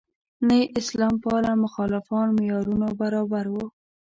نه یې اسلام پاله مخالفان معیارونو برابر وو.